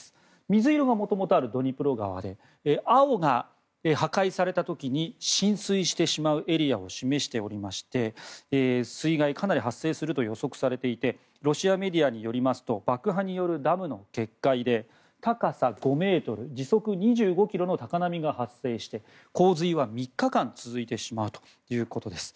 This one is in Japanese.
水色がもともとあるドニプロ川で青が破壊された時に浸水してしまうエリアを示しておりまして水害、かなり発生すると予測されていてロシアメディアによりますと爆破によるダムの決壊で高さ５ｍ、時速２５キロの高波が発生して洪水は３日間続いてしまうということです。